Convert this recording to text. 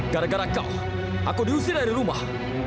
gara gara kau aku diusir dari rumah